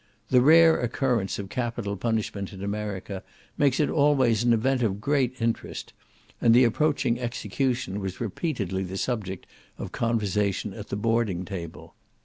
The rare occurrence of capital punishment in America makes it always an event of great interest; and the approaching execution was repeatedly the subject of conversation at the boarding table.